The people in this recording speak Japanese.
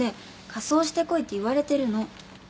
仮装してこいって言われてるの。